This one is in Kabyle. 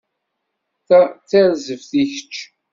Ta d tarzeft i kečč.